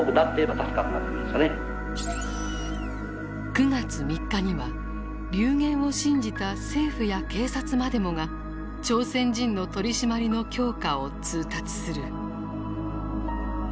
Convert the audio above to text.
９月３日には流言を信じた政府や警察までもが朝鮮人の取締りの強化を通達する。